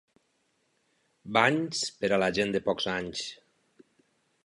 Banys, per a la gent de pocs anys.